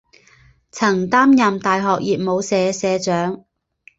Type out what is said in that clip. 曾担任大学热舞社社长。